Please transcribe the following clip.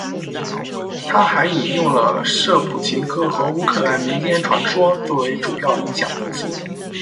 他还引用了舍甫琴科和乌克兰民间传说作为主要影响因素。